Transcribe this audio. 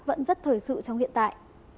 vẫn rất thời sự trong hiện tại